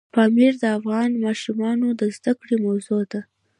پامیر د افغان ماشومانو د زده کړې موضوع ده.